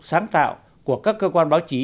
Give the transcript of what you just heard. sáng tạo của các cơ quan báo chí